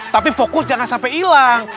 tapi fokus jangan sampai hilang